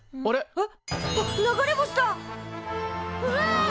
えっ？